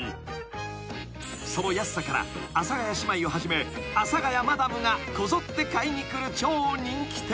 ［その安さから阿佐ヶ谷姉妹をはじめ阿佐谷マダムがこぞって買いに来る超人気店］